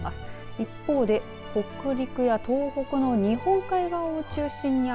一方で、北陸や東北の日本海側を中心に雨。